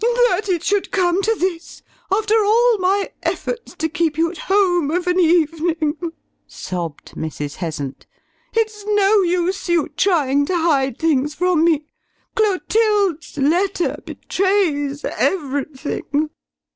"That it should come to this, after all my efforts to keep you at home of an evening," sobbed Mrs. Heasant; "it's no use you trying to hide things from me; Clotilde's letter betrays everything."